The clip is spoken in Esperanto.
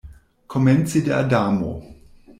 Komenci de Adamo.